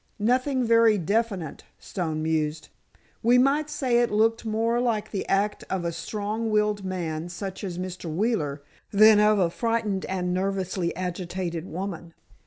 "Nothing very definite," Stone mused. "We might say it looked more like the act of a strong willed man such as Mr. Wheeler, than of a frightened and nervously agitated woman."